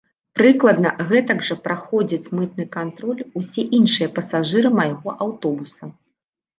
Прыкладна гэтак жа праходзяць мытны кантроль усе іншыя пасажыры майго аўтобуса.